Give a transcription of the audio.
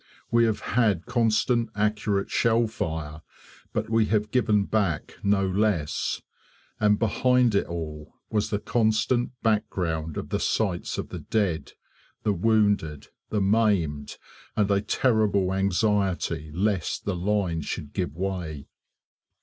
We have had constant accurate shell fire, but we have given back no less. And behind it all was the constant background of the sights of the dead, the wounded, the maimed, and a terrible anxiety lest the line should give way.